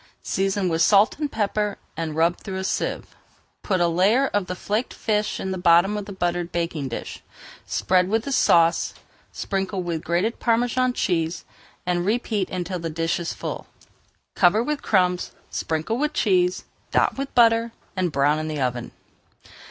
Season with salt and pepper and rub through a sieve. Put a layer of the flaked fish in the bottom of a buttered baking dish, spread with the sauce, [Page 432] sprinkle with grated Parmesan cheese, and repeat until the dish is full. Cover with crumbs, sprinkle with cheese, dot with butter, and brown in the oven.